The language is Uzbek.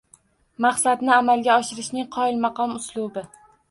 Maqsadni amalga oshirishning qoyilmaqom uslubi